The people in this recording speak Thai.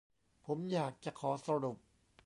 ผมอยากจะขอสรุป